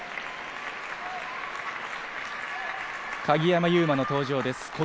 鍵山優真の登場です。